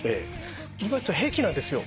意外と平気なんですよ。